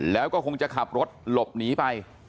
แล้วก็คงจะขับรถหลบหนีไป